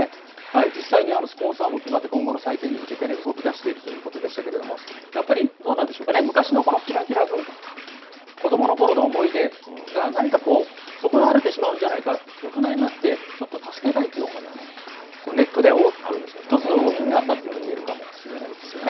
実際にスポンサーも決まって今後の再建に向けて動きだしているということでしたけれども、やっぱりどうなんでしょうかね、昔のこのキラキラ文化とか、子どものころの思い出が何かこう、損なわれてしまうんじゃないか、大人になって、ちょっと助けたいっていう思いがね、ネットで大きく、一つの動きになったということが言えるかもしれないですよね。